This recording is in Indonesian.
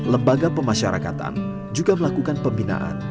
lembaga pemasyarakatan juga melakukan pembinaan